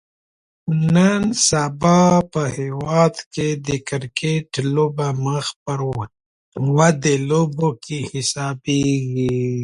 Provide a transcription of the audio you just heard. نن سبا په هیواد کې د کرکټ لوبه مخ پر ودې لوبو کې حسابیږي